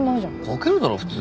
掛けるだろ普通。